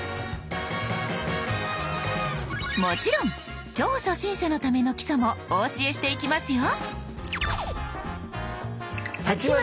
もちろん超初心者のための基礎もお教えしていきますよ。